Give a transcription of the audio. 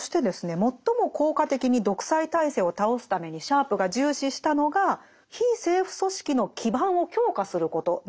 最も効果的に独裁体制を倒すためにシャープが重視したのが非政府組織の基盤を強化することなんですね。